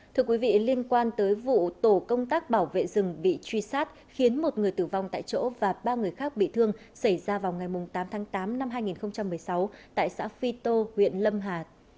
thưa quý vị liên quan tới vụ tổ công tác bảo vệ rừng bị truy sát khiến một người tử vong tại chỗ và ba người khác bị thương xảy ra vào ngày tám tháng tám năm hai nghìn một mươi sáu tại xã phi tô huyện lâm hà